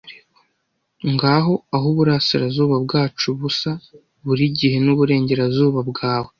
Ngaho aho uburasirazuba bwacu busa burigihe muburengerazuba bwawe,